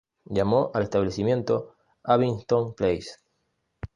Llamó al establecimiento Abington Place.